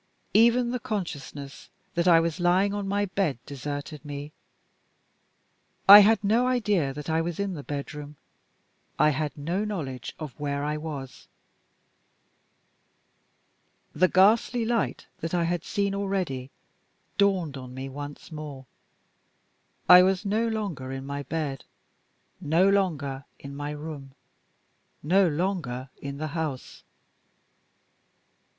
Even the consciousness that I was lying on my bed deserted me. I had no idea that I was in the bedroom; I had no knowledge of where I was. The ghastly light that I had seen already dawned on me once more. I was no longer in my bed, no longer in my room, no longer in the house.